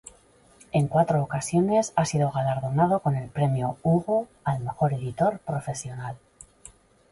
En cuatro ocasiones ha sido galardonado con el Premio Hugo al mejor editor profesional.